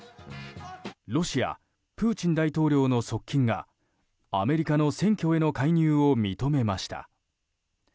ロシア、プーチン大統領の側近がアメリカの選挙への介入を認めました。